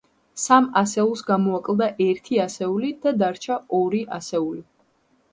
სამ ასეულს გამოაკლდა ერთი ასეული და დარჩა ორი ასეული.